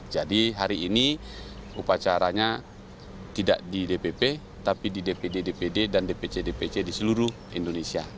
jadi hari ini upacaranya tidak di dpp tapi di dpd dpd dan dpc dpc di seluruh indonesia